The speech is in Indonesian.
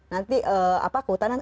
nanti apa kehutanan